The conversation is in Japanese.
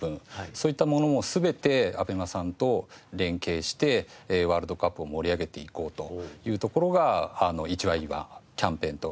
そういったものも全てＡＢＥＭＡさんと連携してワールドカップを盛り上げていこうというところが一枚岩キャンペーンとなっております。